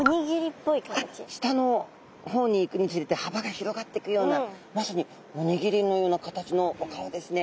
下の方にいくにつれてはばが広がってくようなまさにおにぎりのような形のお顔ですね。